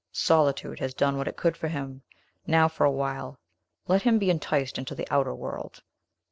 Solitude has done what it could for him; now, for a while, let him be enticed into the outer world."